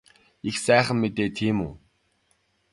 Их сайхан мэдээ тийм үү?